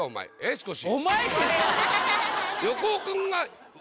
少し。